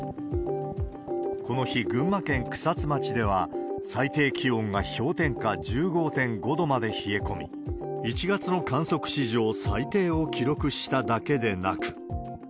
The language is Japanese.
この日、群馬県草津町では最低気温が氷点下１５．５度まで冷え込み、１月の観測史上、最低を記録しただけでなく。